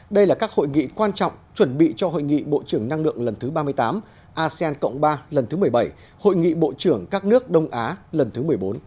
đây là các hội nghị quan trọng chuẩn bị cho hội nghị bộ trưởng năng lượng lần thứ ba mươi tám asean cộng ba lần thứ một mươi bảy hội nghị bộ trưởng các nước đông á lần thứ một mươi bốn